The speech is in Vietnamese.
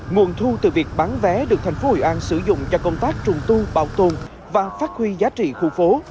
nguồn thu từ việc bán vé được thành phố hội an sử dụng cho công tác trùng tu bảo tồn và phát huy giá trị khu phố